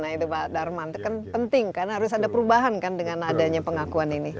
nah itu pak darman itu kan penting kan harus ada perubahan kan dengan adanya pengakuan ini